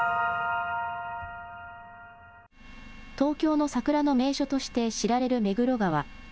東京の桜の名所として知られる目黒川。